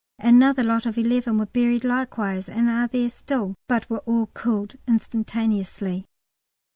Another lot of eleven were buried likewise, and are there still, but were all killed instantaneously.